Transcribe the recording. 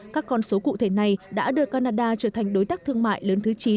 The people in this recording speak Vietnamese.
các con số cụ thể này đã đưa canada trở thành đối tác thương mại lớn thứ chín